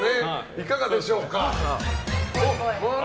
いかがでしょうか？